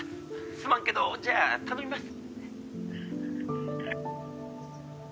「すまんけどじゃあ頼みます」